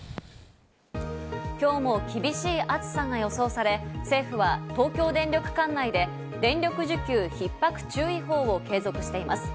今日も厳しい暑さが予想され、政府は当局電力管内で電力需給ひっ迫注意報を継続しています。